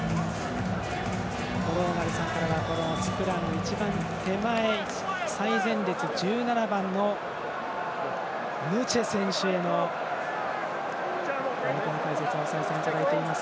五郎丸さんからはスクラム一番手前最前列１７番のヌチェ選手への解説を再三いただいています。